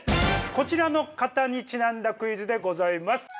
こちらの方にちなんだクイズでございます。